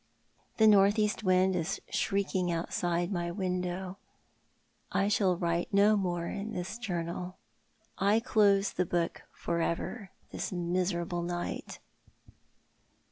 The north east wind is shrieking outside my window. I shall write no more in this journal. I close the book for ever this miserable night.